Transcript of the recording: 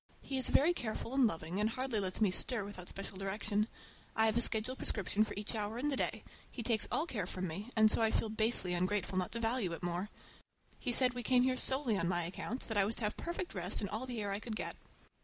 He is very careful and loving, and hardly lets me stir without special direction. I have a schedule prescription for each hour in the day; he takes all care from me, and so I feel basely ungrateful not to value it more. He said we came here solely on my account, that I was to have perfect rest and all the air I could get.